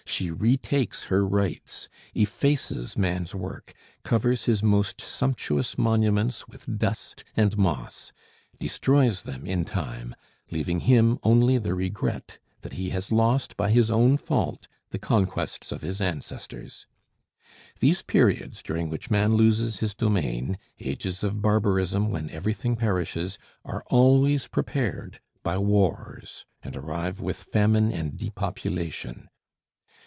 She retakes her rights; effaces man's work; covers his most sumptuous monuments with dust and moss; destroys them in time, leaving him only the regret that he has lost by his own fault the conquests of his ancestors. These periods during which man loses his domain, ages of barbarism when everything perishes, are always prepared by wars and arrive with famine and depopulation.